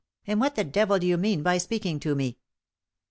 And what the devil do you mean by speaking tome?"